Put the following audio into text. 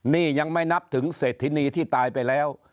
นี่ยังไม่นับถึงเศรษฐินีที่ตายไปแล้ว